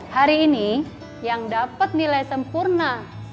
hari ini yang dapat nilai sempurna